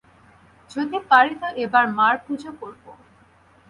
যদি পারি তো এবার মার পূজো করব।